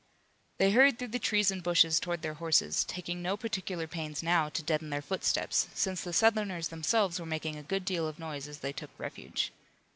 They hurried through the trees and bushes toward their horses, taking no particular pains now to deaden their footsteps, since the Southerners themselves were making a good deal of noise as they took refuge.